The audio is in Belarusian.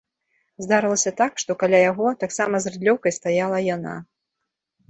Здарылася так, што каля яго, таксама з рыдлёўкай, стаяла яна.